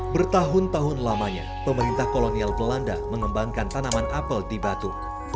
bertahun tahun lamanya pemerintah kolonial belanda mengembangkan tanaman apel di batu